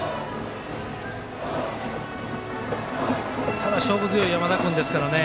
ただ、勝負強い山田君ですからね。